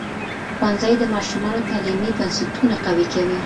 ښوونځی د ماشومانو تعلیمي بنسټونه قوي کوي.